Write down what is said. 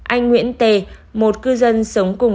anh nguyễn tê một cư dân sống cùng